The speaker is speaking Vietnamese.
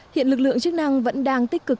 hiện lực lượng chức năng vẫn đang tích cực